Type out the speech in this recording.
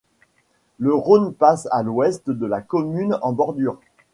Le Rhône passe à l'ouest de la commune, en bordure.